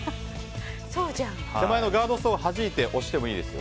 手前のガードストーンをはじいて押してもいいですよ。